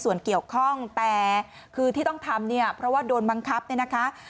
ส่วนเกี่ยวข้องแต่คือที่ต้องทำเนี่ยเพราะว่าโดนบังคับเนี่ยนะคะ